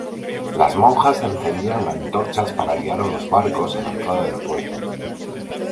Las monjas encendían antorchas para guiar a los barcos a la entrada del puerto.